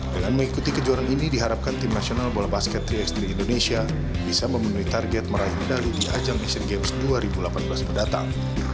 dengan mengikuti kejuaraan ini diharapkan tim nasional bola basket tiga x tiga indonesia bisa memenuhi target meraih medali di ajang asian games dua ribu delapan belas mendatang